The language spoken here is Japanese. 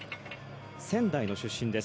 仙台の出身です。